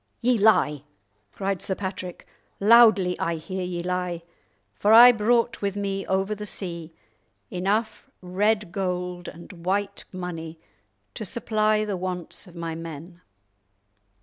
"Ye lie," cried Sir Patrick, "loudly I hear ye lie, for I brought with me over the sea enough red gold and white money to supply the wants of my men.